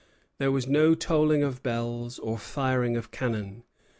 There was no tolling of bells or firing of cannon.